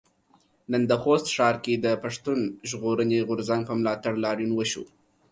نن د خوست ښار کې د پښتون ژغورنې غورځنګ په ملاتړ لاريون وشو.